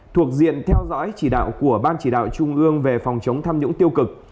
thuộc diện theo dõi chỉ đạo của ban chỉ đạo trung ương về phòng chống tham nhũng tiêu cực